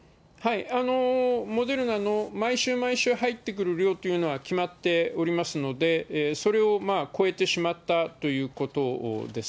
モデルナの毎週毎週入ってくる量というのは決まっておりますので、それを超えてしまったということです。